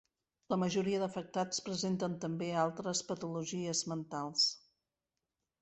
La majoria d'afectats presenten també altres patologies mentals.